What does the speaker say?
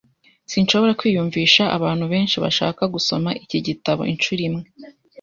Sinshobora kwiyumvisha abantu benshi bashaka gusoma iki gitabo inshuro imwe.